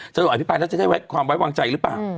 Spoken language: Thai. เราอภิปรายแล้วจะได้ความไว้วางใจหรือเปล่า